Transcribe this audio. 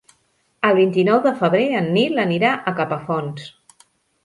El vint-i-nou de febrer en Nil anirà a Capafonts.